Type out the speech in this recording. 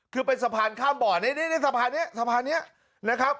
คือเป็นสะพานข้ามบ่อนี่สะพานนี้สะพานนี้นะครับ